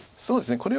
そうですね